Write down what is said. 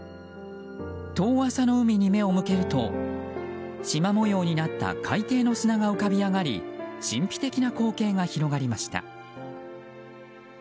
遠浅の海に目を向けると縞模様になった海底の砂が浮かび上がり神秘的な光景が広がりました。